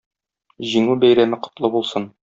Җиңү Бәйрәме котлы булсын!